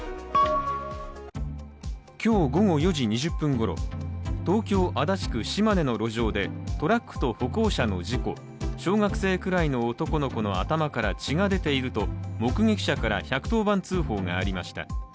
今日午後４時２０分ごろ、東京・足立区島根の路上でトラックと歩行者の事故小学生くらいの男の子の頭から血が出ていると目撃者から１１０番通報がありました。